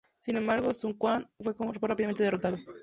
Sin embargo, Sun Quan fue rápidamente derrotado.